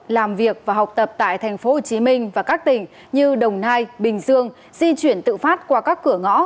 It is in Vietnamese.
làm việc và học tập tại thành phố hồ chí minh và các tỉnh như đồng nai bình dương di chuyển tự phát qua các cửa ngõ